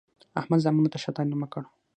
احمد زامنو ته ښه تعلیم وکړ.